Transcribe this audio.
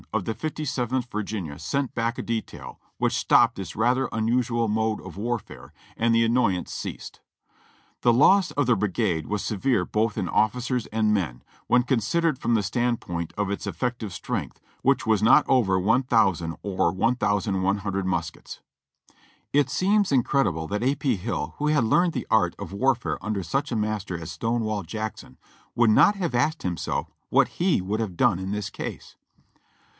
of the Fifty fifth Virginia, sent back a detail, which stopped this rather unusual mode of warfare, and the annoyance ceased. "The loss of the brigade was se\ere both in officers and men, when considered from the standpoint of its effective strength, which was not over i,ooo or i,ioo muskets." It seems incredible that A. P. Hill, who had learned the art of warfare under such a master as Stonewall Jackson, would not have asked himself what he would have done in this case.